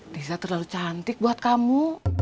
desa terlalu cantik buat kamu